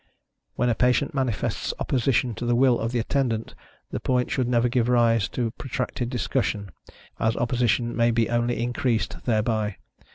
When a patient manifests opposition to the will of the Attendant, the point should never give rise to protracted discussion, as opposition may be only increased thereby.